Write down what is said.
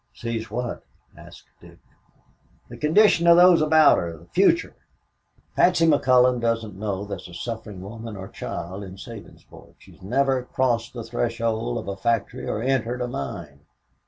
"Sees what?" asked Dick. "The condition of those about her the future. Patsy McCullon doesn't know there is a suffering woman or child in Sabinsport. She has never crossed the threshold of a factory or entered a mine."